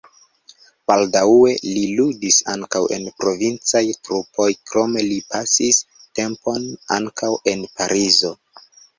Baldaŭe li ludis ankaŭ en provincaj trupoj, krome li pasis tempon ankaŭ en Parizo.